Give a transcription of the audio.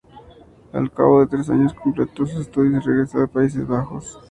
Al cabo de tres años completó sus estudios y regresó a los Países Bajos.